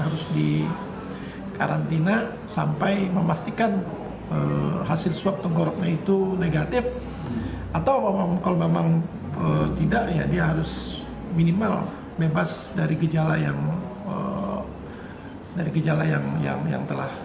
ketika diisolasi pasien telah diambil sampel oleh pihak rumah sakit